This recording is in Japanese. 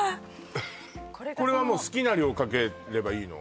これはもう好きな量かければいいの？